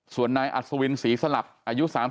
ส่วนนายอัศวินศรีสลับอายุ๓๐